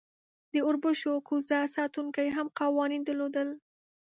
د اوربشو کوزه ساتونکی هم قوانین درلودل.